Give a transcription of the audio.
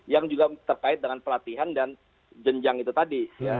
yang juga terkait dengan pelatihan dan jenjang itu tadi